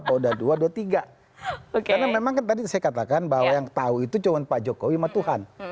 karena memang tadi saya katakan bahwa yang tahu itu cuma pak jokowi sama tuhan